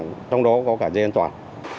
và kể cả có cái dây trong đó có cả dây an toàn